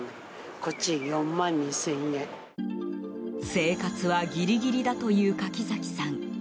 生活はギリギリだという柿崎さん。